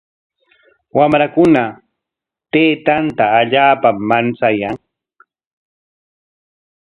Wamrakuna taytanta allaapam manchayan.